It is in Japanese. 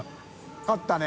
勝ったね。